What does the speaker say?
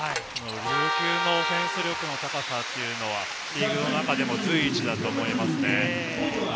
琉球のオフェンス力の高さはリーグの中でも随一だと思いますね。